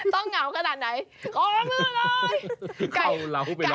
ต้องเหงาขนาดไหนของละมือเลย